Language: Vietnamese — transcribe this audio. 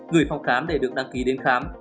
gửi phòng khám để được đăng ký đến khám